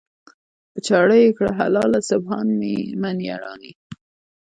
"په چاړه یې کړه حلاله سبحان من یرانی".